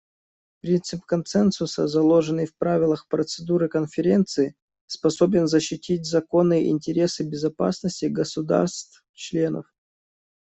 Принцип консенсуса, заложенный в правилах процедуры Конференции, способен защитить законные интересы безопасности государств-членов.